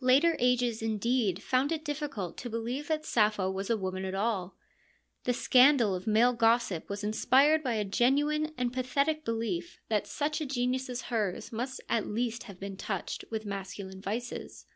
Later ages, indeed, found it difficult to believe that Sappho was a woman at all. The scandal of male gossip was inspired by a genuine and pathetic belief that such a genius as hers must at least have been touched with masculine vices.